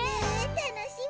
たのしみ！